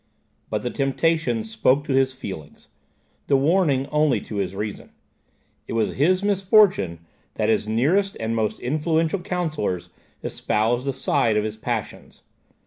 But the temptation spoke to his feelings; the warning only to his reason. It was his misfortune that his nearest and most influential counsellors espoused the side of his passions.